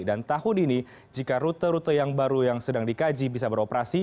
dan tahun ini jika rute rute yang baru yang sedang dikaji bisa beroperasi